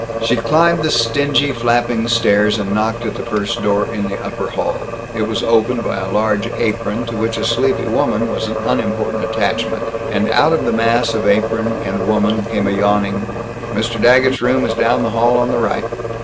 She climbed the stingy, flapping stairs, and knocked at the first door in the upper hall. It was opened by a large apron, to which a sleepy woman was an unimportant attachment, and out of the mass of apron and woman came a yawning, "Mr. Daggett's room is down the hall on the right."